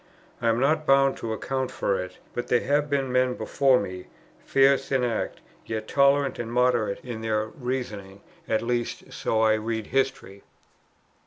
I am not bound to account for it; but there have been men before me, fierce in act, yet tolerant and moderate in their reasonings; at least, so I read history.